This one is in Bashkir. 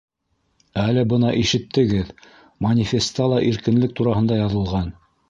Әле бына ишеттегеҙ, манифеста ла иркенлек тураһында яҙылған.